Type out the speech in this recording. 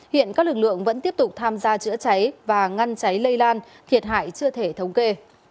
hiện các lực lượng vẫn tiếp tục tham gia chữa cháy và ngăn cháy lây lan thiệt hại chưa thể thống kê